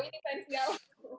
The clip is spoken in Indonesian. ini fans galau